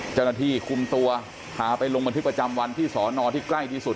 เจ้าหน้าที่คุมตัวพาไปลงบันทึกประจำวันที่สอนอที่ใกล้ที่สุด